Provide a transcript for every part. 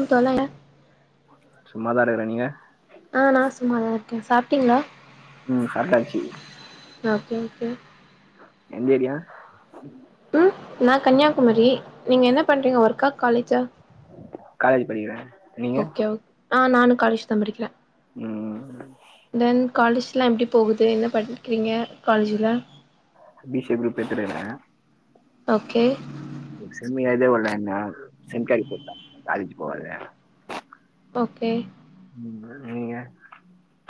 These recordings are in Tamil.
ம் [unintelligible] சும்மாதா இருக்கிரே நீங்க ஆ நா சும்மாதா இருக்கே சாப்ட்டீங்ளா ம் சாப்ட்டாச்சு ஓகே ஓகே எந்தேரியா ம் நா கன்னியாகுமரி நீங்க என்ன பண்றீங்க ஒர்க்கா காலேஜா காலேஜ் படிக்கிறே நீங்க ஓகே ஓ ஆ நானு காலேஜ் தா படிக்கிறே ம் தென் காலேஜ்லா எப்டி போகுது என்ன படிக்கிறீங்க காலேஜில இப்படியே [unintelligible] ஓகே செம ய இத ஓ லயன்ன சென்காரி போட்டா காலிஜ் போகாதே ஓகே ம் நீங்க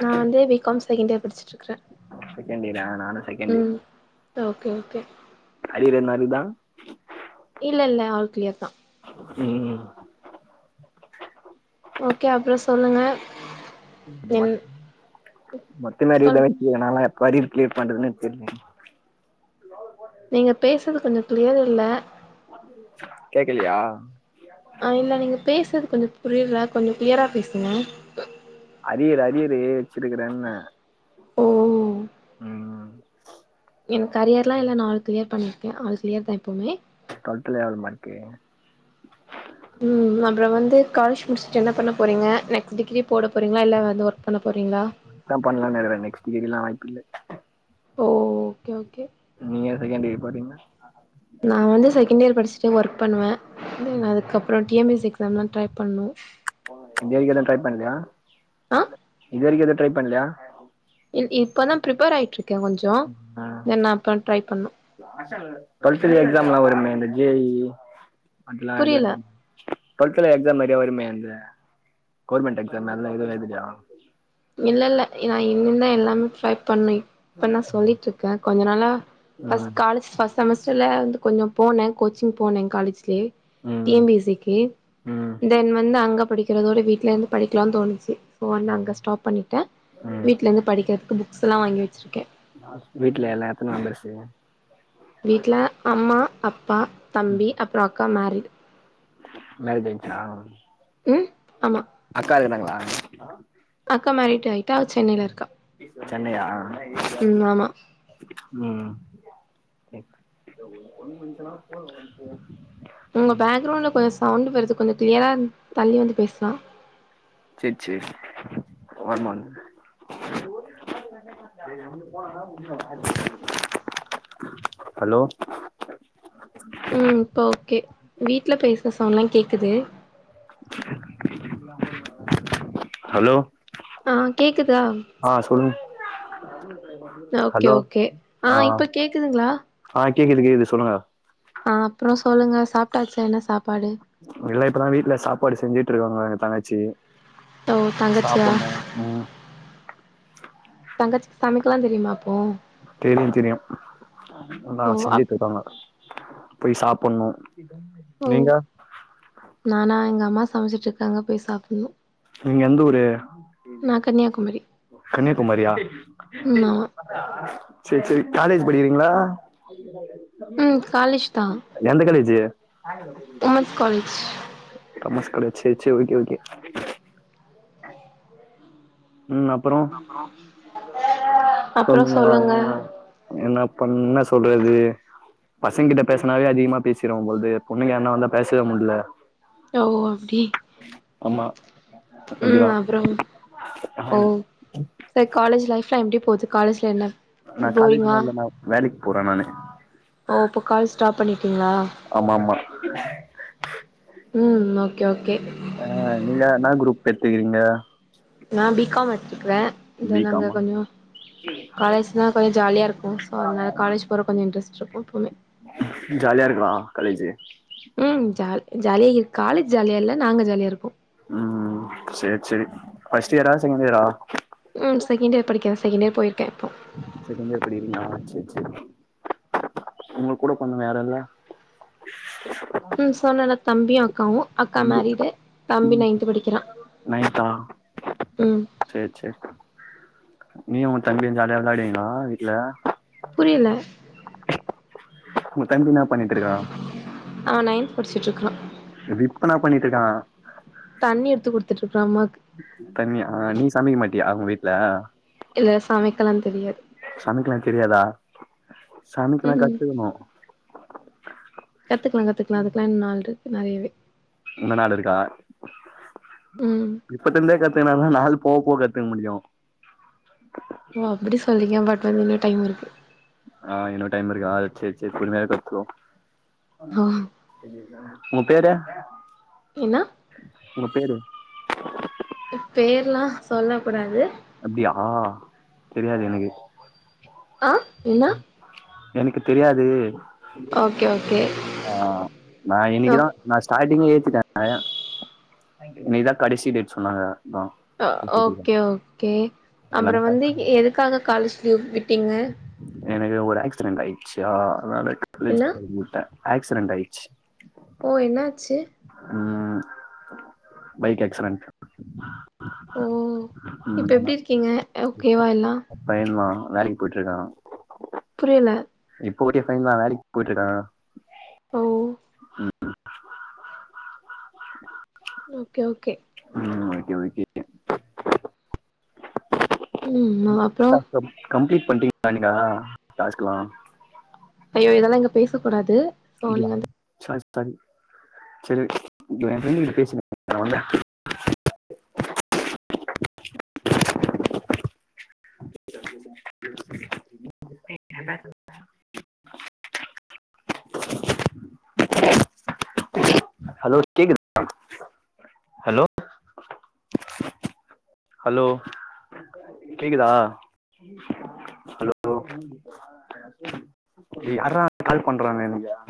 நா வந்து பி காம் செகண்ட் இயர் படிச்சிட் இருக்றே செகண்டியரா நானு செ ம் ஓகே ஓகே அரியர் எதுனா இருக்தா இல்லல்ல ஆள் கிளியர் தா [unintelligible] ஓகே அப்றோ சொல்லுங்க என் மத் மத்த மாரி சொல் இத வெச்ச நல்லா எப்பாடி கிளீர் பண்றதுனு தெரியல்லா நீங்க பேசுறது கொஞ்ச கிளியர் இல்ல கேக்கலையா ஆ இல்ல நீங்க பேசுறது கொஞ்ச புரியல கொஞ்ச கிளியரா பேசுங்க அரியரு அரியரு வெச்சிருக்கறேன்ன ம் எனக் அரியர் எலா இல்ல நா ஆள் க்ளியர் பண்ணிருக்கே ஆள் க்ளியர் தா எப்போமே டுவல்துல எவலோ மார்க்கு ம் அப்றோ வந்து காலேஜ் முடிச்ட்டு என்ன பண்ண போறீங்க நெக்ஸ்ட் டிகிரி போட போறீங்களா இல்ல வந்து ஒர்க் பண்ண போறீங்ளா இதா பண்லாம்ன்னிருகிறே நெக்ஸ்ட் டிகிரி எல்லா வாய்ப்பு இல்ல ஓ ஓகே ஓகே நீங்க அதுகான்டி இப்படின்னா நான் வந்து செகண்ட் இயர் படிச்சுட்டு ஒர்க் பண்ணுவே வந்து அதுக்கப் அப்பறோ டிஎன்பிசி எக்ஸாம்லா ட்ரை பண்ணோ இது வரிக்கு எதுவு ட்ரை பண்லியா ஆ இது வரிக்கு எதுவு ட்ரை பண்லியா இப்பதா பிரிப்பேர் ஆயிட்ருக்கே கொஞ்சோ தென் அப்ப ட்ரை பண்ணு ஆ டுவல்த்ல எக்ஸாம்ல்லா வருமே இந்த ஜேஐஇ அதெல்லா புரியல டுவல்த்துல எக்ஸாம் நறைய வருமே அந்த கவுவர்மெண்ட் எக்ஸாம் அதுல்லா எதுவு எழுதளையா இல்ல இல்ல நான் இன்ன எல்லாமே ட்ரை பண்ணு இப்பதான் சொல்லிட்டு இருக்கே கொஞ்சொ நாள ஃபஸ்ட் ம் காலேஜ் ஃபர்ஸ்ட் செமஸ்டர்ல வந்து கொஞ்சோ போனே கோச்சிங் போனே காலேஜ்லயே டி ம் என்பிசிகு ம் தென் வந்து அங்க படிக்கிறதோ வீட்ல இருந்து படிக்கலாம்ன் தோணுச்சு சோ வந்து அங்க ஸ்டாப் பண்ணிட ம் வீட்ல இருந்து படிக்கிறதுக்கு புக்ஸ்ல்லா வாங்கி வெச்சுருக்கே வீட்ல எல்லா எத்தன மெம்பெர்ஸ் செய்வோ வீட்ல அம்மா அப்பா தம்பி அப்றோ அக்கா மேரிடு மேரேஜா உம் ஆமா அக்கா இருக்காங்ளா அக்கா மேறிட்டு ஆயிட்டா அவ சென்னையில இருக்கா உம் ஆமா உம் உங்க பேக்ரௌண்டுல கொஞ்சோ சவுண்டு வருது கொஞ்சொ கிளியரா தள்ளி வந்து பேசலா செரி செரி [inaudible] ஹலோ ம் இப்ப ஓகே வீட்ல பேசற சவுண்ட்ளா கேக்குது ஹலோ ஆ கேக்குதா ஆ சொல் ஓகே ஹலோ ஓகே ஆ இப்ப கேக்குதுங்களா ஆ கேக்குது கேக்குது சொல்லுங்க ஆ அப்றோ சொல்லுங்க சாப்டாச்ச என்ன சாப்பாடு அதுஎல்லா இப்பதா வீட்ல சாப்பாடு செஞ்சுட்டு [inaudible] எ தங்கச்சி ஓ தங்கச்சியா சாப்பணும் உம் தங்கச்சி சமைக்கலா தெரியுமா அப்போ தெரியு தெரியு நல்ல ஓ அப் செஞ்சுட்டு இருக்காங்க போய் சாப்பணு ஓ நீங்க நானா எங்க அம்மா சமச்சிட்டு இருக்காங்க போய் சாப்பனு நீங்க எந்த ஊரு நா கன்னியாகுமரி கன்னியாகுமாரியா ம் ஆமா செரி செரி காலேஜ் படிக்கறீங்ளா ம் காலேஜ் தா எந்த college women's college women's college சரி சரி ஓகே ஓகே அ அப்றோ அப்பற சொல்லுங்க என்ன இப்ப பண்ண சொல்றது பசங்க கிட்ட பேசுனாவே அதிகமா பேசிடுவம்பொழுது பொண்ணுங்க வந்தா பேசவே முட்ல ஓ அப்டி ஆமா அப்படிதா ம் அப்றோ அ த காலேஜ் லைஃப்லா எப்டி போகுது காலஜ்ல என்ன நா போரிங்கா காலேஜில்லா இல்ல நா வேலைக்கு போற நானு ஓ இப்போ கால் ஸ்டாப் பண்ணிட்டீங்களா ஆமாமா ம் ஓகே ஓகே ஆ நீங்க என்னா குரூப் எத்துக்கிறீங்க நா பிகாம் எத்ருக்றே இத பி நாங்க காமா கொஞ்சோ காலேஜ்னா கொஞ்சோ ஜாலியா இருக்கு ஸோ அதனால காலேஜ் போற கொஞ்சோ இன்ட்ரஸ்ட் இருக்கு எப்போமே ஜாலியா இருக்கு காலேஜு ம் ஜாலி ஜாலியா இருக் காலேஜ் ஜாலியா இல்ல நாங்க ஜாலியா இருக்கோ ம் ம் சேரி சேரி ஃபர்ஸ்ட் இயரா செகண்ட் இயரா ம் செகண்ட் இயர் படிக்கிறே செகண்ட் இயர் போயிருக்கே இப்போ செகண்ட் இயர் படிக்றீங்களா சேரி சேரி உங்க கூட பொறந்தவங்க யாரெல்லா ம் சொன்னன தம்பியு அக்காவு அக்கா தம்பி மேரீடு தம்பி நைன்த்து படிக்றா நைன்த்தா ம் சேரி சேரி நீயு உங்க தம்பியு ஜாலியா வெளாடுவீங்களா வீட்டு்ல புரியல ஒன் தம்பி என்னா பண்ணிட்டு இருக்கா ஆ நைன்த்து படிச்சிட்டு இருக்கா செரி இப்ப என்னா பண்ணிட்டு இருக்கா தண்ணி எடுத்துக் குடுத்துகிட்டு இருக்கா அம்மாக்கு தண்ணியா நீ சமைக்க மாட்டியா உங்க வீட்டுல இல்ல சமைக்கலா தெரியாது சமைக்கலா தெரியாதா சமைக்கலா ம் கத்துக்குணு கத்துக்லா கத்துக்லா அதுக்லா இன்னு நாள் இருக்கு நெறையவே [unintelligible] நாள் இருக்கா ம் இப்பத்ருந்தே கத்துக்குனாதா நாள் போவ போவ கத்துக்க முடியு ஓ அப்புடி சொல்லிங்க பட் அதுக்கு இன்னு டைம் இருக்கு ஆ இன்னு டைம் இருக்கா செரி சேரி கொஞ்ச லேட்டா கத்துக்கோ ஆ ஒங்க பேரு என்னா உங்க பேரு பேருலா சொல்ல கூடாது அப்டியா தெரியாது எனக்கு ஆ என்னா எனக்கு தெரியாது ஓகே ஓகே ஆ நா ஓ இன்னிக்குதா நா ஸ்டார்டிங்கல எய்த்துட்டே நெறயா இன்னிகுதா கடைசி டேட் சொன்னாங்க ஓகே ஓகே இல்லனா அம்பறோ பேக் வந்து பண்ண எ மாட்டே எதுக்காக காலேஜ் லீவ் விட்டீங்க எனக்கு ஒரு ஆக்சிடென்ட் ஆயிடுச்சா அதனால காலேஜ் என்னா போமுடில ஆக்சிடென்ட் ஆயிட்ச்சு ஓ என்ன ஆச்சு ம் பைக் ஆக்சிரன்ட் ஓ இப்ப எப்டி இருக்கீங்க [unintelligible] ஓகேவா எல்லா பையன்லா வேலைக் போயிட்ருக்கானா புரியல இப்ப ஊட்டிய ஃபைன் தா வேலிக் போயிட்ருக்கானா ஓ ஓகே ஓகே ம் ஓகே ஓகே ம் அப்றோ [unintelligible] கம்ப்ளீட் பண்ட்டீங்ளா நீங்கா டாஸ்க்குல்லா ஐயோ இதெல்லா இங்க பேசக்கூடாது சோ அப்டியா நீங்க வந்து சாரி சாரி சேரி ஓகே ஏ ஃப்ரெண்கிட்ட பேஸ்ன நா வந்த [unintelligible] ஹலோ கேக்குது ஹலோ ஹலோ கேக்குதா ஹலோ யார்ரா கால் பண்றாங்க எனக்கு